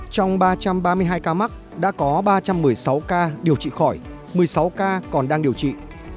trong ba trăm ba mươi hai ca mắc đã có ba trăm một mươi sáu ca điều trị khỏi một mươi sáu ca còn đang điều trị